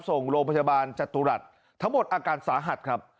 ส่งโรงพยาบาลจตุรัสทั้งหมดอาการสาหัสครับ